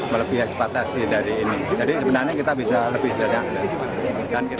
melebih ekspetasi dari ini jadi sebenarnya kita bisa lebih banyak